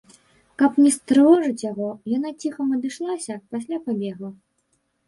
Каб не стрывожыць яго, яна ціхом адышлася, пасля пабегла.